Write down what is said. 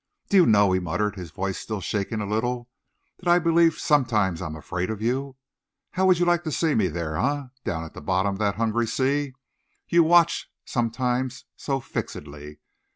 "Do you know," he muttered, his voice still shaking a little, "that I believe sometimes I am afraid of you? How would you like to see me there, eh, down at the bottom of that hungry sea? You watch sometimes so fixedly.